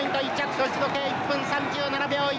勝ち時計１分３７秒１。